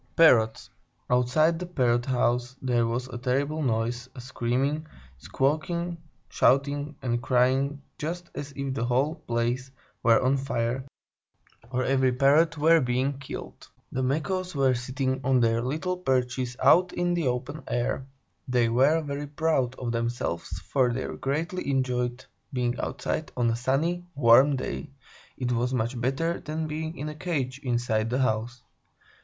PARROTS Anonymous Outside the Parrot house there was a terrible noise; a screaming, squawking, shouting, and crying, just as if the whole place were on fire, or every Parrot were being killed. The Macaws were sitting on their little perches out in the open air. They were very proud of themselves, for they greatly enjoyed being outside on a sunny, warm day; it was much better than being in a cage, inside the house.